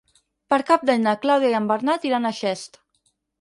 Per Cap d'Any na Clàudia i en Bernat iran a Xest.